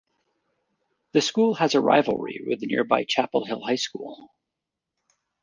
The school has a rivalry with the nearby Chapel Hill High School.